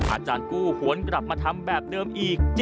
อาจารย์กู้หวนกลับมาทำแบบเดิมอีก